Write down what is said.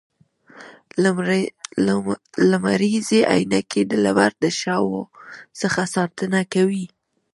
لمریزي عینکي د لمر د شعاوو څخه ساتنه کوي